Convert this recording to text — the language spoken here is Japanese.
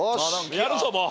やるぞもう。